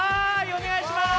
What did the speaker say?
おねがいします！